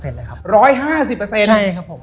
ใช่ครับผม